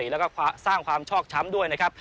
แล้วก็สร้างความชอบช้ำด้วยนะครับ